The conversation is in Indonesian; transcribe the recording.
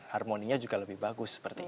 harmoninya juga lebih bagus